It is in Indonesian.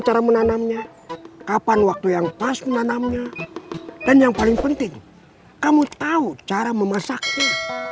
cara menanamnya kapan waktu yang pas menanamnya dan yang paling penting kamu tahu cara memasaknya